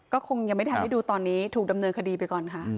ก็คงยังไม่ทันได้ดูตอนนี้ถูกดำเนินคดีไปก่อนค่ะ